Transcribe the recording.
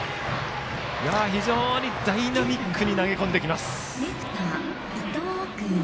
非常にダイナミックに投げ込んできます。